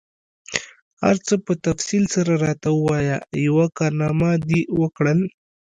هر څه په تفصیل سره راته ووایه، یوه کارنامه دي وکړل؟